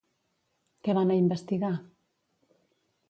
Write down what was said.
Què van a investigar?